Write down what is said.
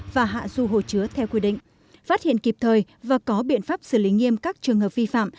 và hạ du hồ chứa theo quy định phát hiện kịp thời và có biện pháp xử lý nghiêm các trường hợp vi phạm